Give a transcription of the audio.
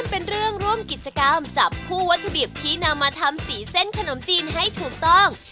เป็นเรื่องร่วมกิจกรรมจับคู่วัตถุดิบที่นำมาทำสีเส้นขนมจีนให้ถูกต้อง